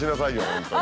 本当に。